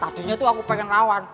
tadinya tuh aku pengen rawan